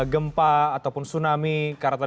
gempa ataupun tsunami karena